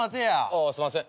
ああすんません。